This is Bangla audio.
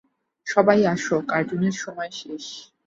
সবাই আসো, কার্টুনের সময় শেষ।